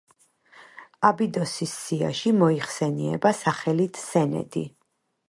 აბიდოსის სიაში მოიხსენიება სახელით სენედი.